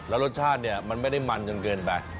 แล้วรสชาติเนี่ยมันไม่ได้มันจนเกินไป